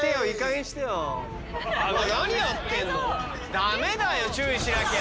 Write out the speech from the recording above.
ダメだよ注意しなきゃ。